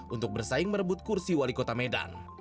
untuk bersaing merebut kursi wali kota medan